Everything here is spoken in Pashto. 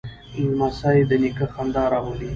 لمسی د نیکه خندا راولي.